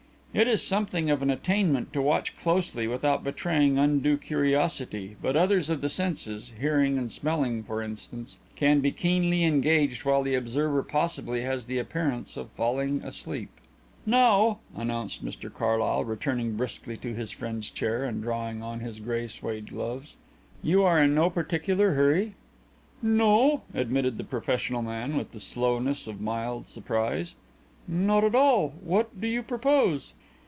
It is something of an attainment to watch closely without betraying undue curiosity, but others of the senses hearing and smelling, for instance can be keenly engaged while the observer possibly has the appearance of falling asleep. "Now," announced Mr Carlyle, returning briskly to his friend's chair, and drawing on his grey suede gloves. "You are in no particular hurry?" "No," admitted the professional man, with the slowness of mild surprise. "Not at all. What do you propose?"